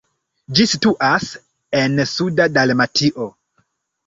Ĝi situas en suda Dalmatio.